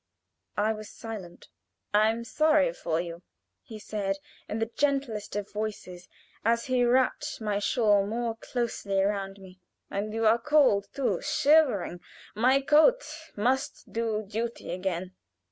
I was silent. "I am sorry for you," he said in the gentlest of voices, as he happed my shawl more closely around me. "And you are cold too shivering. My coat must do duty again."